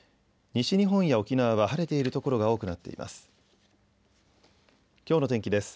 西日本や沖縄は晴れている所が多くなっています。